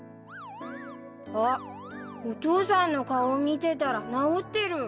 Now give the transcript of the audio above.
あっお父さんの顔を見てたらなおってる。